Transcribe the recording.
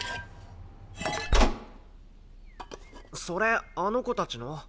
それあの子たちの？